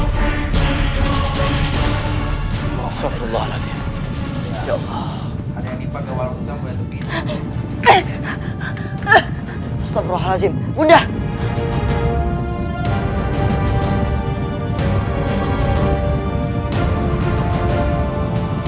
baiklah kalau itu mau kau